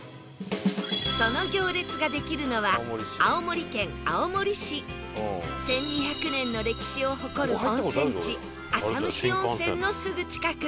その行列ができるのは１２００年の歴史を誇る温泉地浅虫温泉のすぐ近く